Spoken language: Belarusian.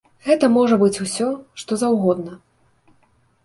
Гэта можа быць усё, што заўгодна.